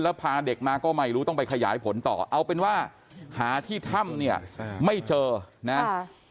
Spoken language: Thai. แล้วพาเด็กมาก็ไม่รู้ต้องไปขยายผลต่อเอาเป็นว่าหาที่ถ้ำเนี่ยไม่เจอนะ